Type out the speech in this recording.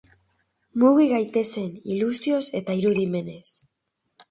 Mugi gaitezen, ilusioz eta irudimenez.